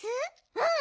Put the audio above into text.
うん！